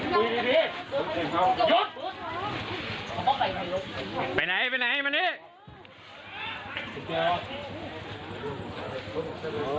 คุยดีคุยดีหยุด